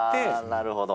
なるほど。